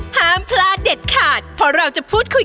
ห้ามพลาดเด็ดขาดเพราะเราจะพูดคุย